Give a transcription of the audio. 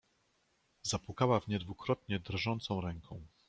"Zapukała w nie dwukrotnie drżącą ręką."